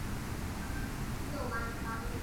彼得一世奉行伊什特万一世的积极外交政策。